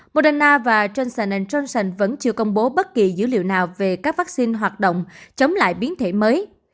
moderna và johnson johnson vẫn chưa công bố bất kỳ dữ liệu nào về các vaccine hoạt động chống lại biến thể mới